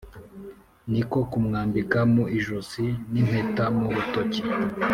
niko kumwambika mu ijosi n’impeta mu rutoki